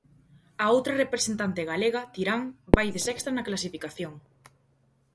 A outra representante galega, Tirán, vai de sexta na clasificación.